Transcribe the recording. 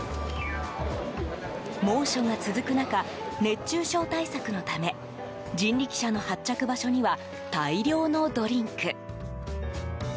猛暑が続く中熱中症対策のため人力車の発着場所には大量のドリンク。